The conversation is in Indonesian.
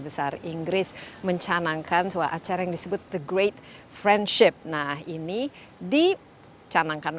besar inggris mencanangkan sebuah acara yang disebut the great friendship nah ini dicanangkan